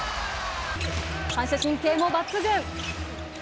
反射神経も抜群。